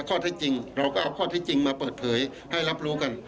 ข้อเท็จจริงเราก็เอาข้อที่จริงมาเปิดเผยให้รับรู้กัน